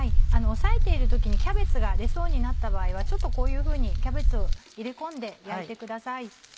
押さえている時にキャベツが出そうになった場合はこういうふうにキャベツを入れ込んで焼いてください。